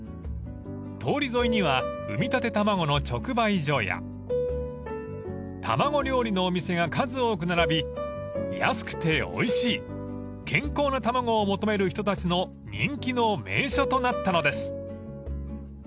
［通り沿いには産みたて卵の直売所や卵料理のお店が数多く並び安くておいしい健康な卵を求める人たちの人気の名所となったのです］